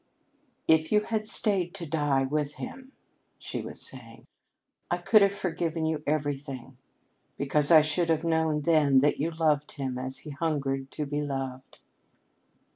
"If you had stayed to die with him," she was saying, "I could have forgiven you everything, because I should have known then that you loved him as he hungered to be loved."